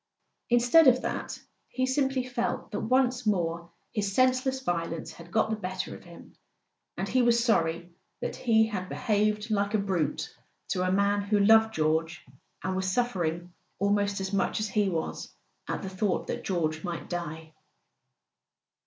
Instead of that, he simply felt that once more his senseless violence had got the better of him, and he was sorry that he had behaved like a brute to [ 293 ] A SON AT THE FRONT a man who loved George, and was suffering almost as much as he was at the thought that George might die.